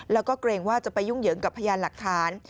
แล้วก็เกรงว่าจะไปยุ่งเหยิงกับพยานหลักฐาน